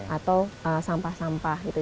atau sampah sampah gitu